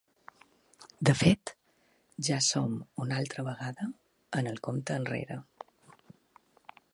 De fet, ja som una altra vegada en el compte enrere.